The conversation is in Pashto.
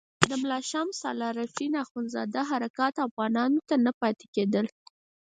د ملا شمس العارفین اخندزاده حرکات افغانانو ته نه پاتې کېدل.